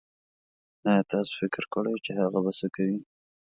ايا تاسو فکر کوي چې هغه به سه کوئ